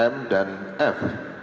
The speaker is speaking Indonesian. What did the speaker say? m dan f